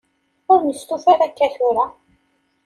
Ur nestufa ara akka tura.